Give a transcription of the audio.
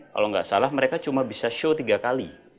kalau nggak salah mereka cuma bisa show tiga kali